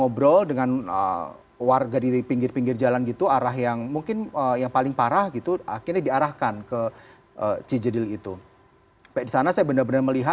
bencana ini memang luar biasa